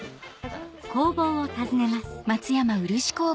工房を訪ねます